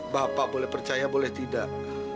bapak boleh percaya boleh tidak